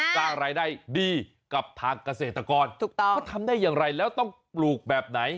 สร้างรายได้ดีกับทางเกษตรกรถูกต้องเขาทำได้อย่างไรแล้วต้องปลูกแบบไหน